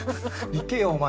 いけよお前！